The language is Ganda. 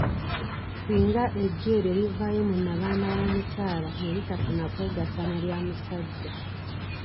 Singa eggi eryo livaayo mu nnabaana w'omukyala ne litafuna kwegatta na lya musajja.